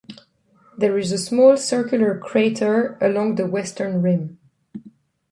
There is a small circular crater along the western rim.